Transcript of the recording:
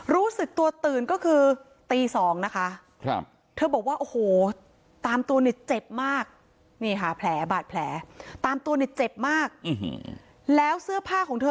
บอกว่าโอ้โหตามตัวเนี่ยเจ็บมากเป็นห้าแผลบาดแผลตามตัวในเจ็บมากแล้วเสื้อผ้าของเธอ